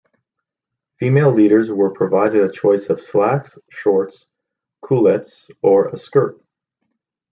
Female leaders were provided a choice of slacks, shorts, culottes, or a skirt.